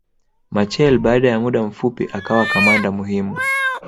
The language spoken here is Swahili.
Machel baada ya muda mfupi akawa kamanda muhimu